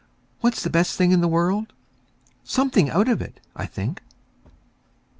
What's the best thing in the world? Something out of it, I think.